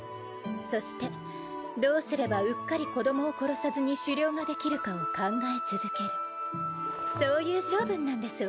そしてどうすればうっかり子供を殺さずに狩猟ができるかを考え続けるそういう性分なんです